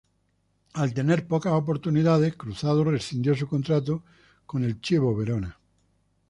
Al tener pocas oportunidades, Cruzado rescindió su contrato con el Chievo Verona.